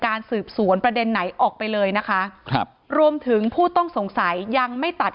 สืบสวนประเด็นไหนออกไปเลยนะคะครับรวมถึงผู้ต้องสงสัยยังไม่ตัด